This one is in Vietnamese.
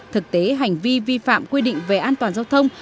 thực tế hành vi vi phạm quy định về an toàn giao thông